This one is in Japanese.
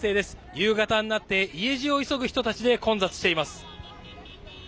夕方になって家路を急ぐ人たちで混雑しています。